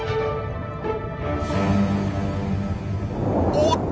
おっと！